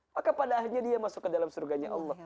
maka pada akhirnya dia masuk ke dalam surganya allah